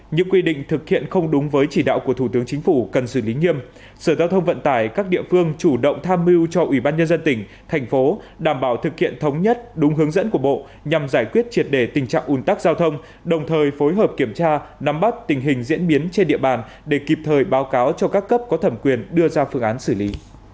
những quy định thực hiện không đúng với chỉ đạo của thủ tướng chính phủ cần xử lý nghiêm sở giao thông vận tải các địa phương chủ động tham mưu cho ủy ban nhân dân tỉnh thành phố đảm bảo thực hiện thống nhất đúng hướng dẫn của bộ nhằm giải quyết triệt đề tình trạng un tắc giao thông đồng thời phối hợp kiểm tra nắm bắt tình hình diễn biến trên địa bàn để kịp thời báo cáo cho các cấp có thẩm quyền đưa ra phương án xử lý